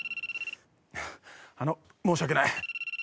あの申し訳ない。